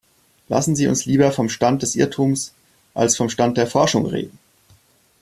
Lassen Sie uns lieber vom Stand des Irrtums als vom Stand der Forschung reden.